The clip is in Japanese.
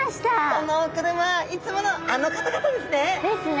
このお車はいつものあの方々ですね！ですね。